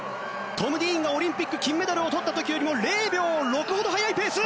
トム・ディーンが、オリンピック金メダルをとった時よりも０秒６ほど速いペース。